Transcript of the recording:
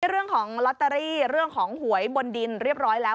เรื่องของลอตเตอรี่เรื่องของหวยบนดินเรียบร้อยแล้ว